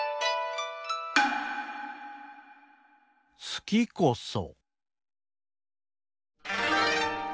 「好きこそ」。